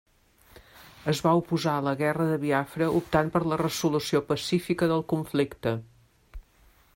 Es va oposar a la guerra de Biafra optant per la resolució pacífica del conflicte.